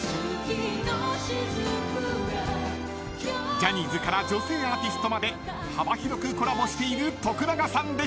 ［ジャニーズから女性アーティストまで幅広くコラボしている永さんでした］